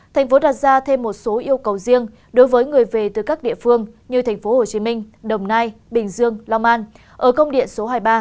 thành phố đặt ra thêm một số yêu cầu riêng đối với người về từ các địa phương như thành phố hồ chí minh đồng nai bình dương long an ở công điện số hai mươi ba